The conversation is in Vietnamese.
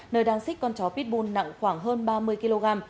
nơi đang xích con chó pitbull nặng khoảng hơn ba mươi kg